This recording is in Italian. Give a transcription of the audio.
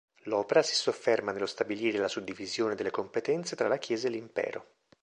L'opera si sofferma nello stabilire la suddivisione delle competenze tra la Chiesa e l'Impero.